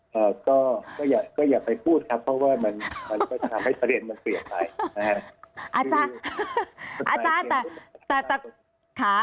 ก็อย่าไปพูดครับเพราะว่ามันก็จะทำให้เฉลี่ยมมันเปลี่ยนไป